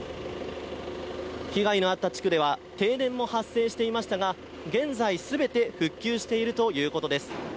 被害のあった地区では、停電も発生していましたが、現在、すべて復旧しているということです。